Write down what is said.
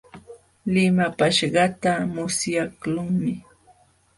Limapaaśhqaata musyaqlunmi.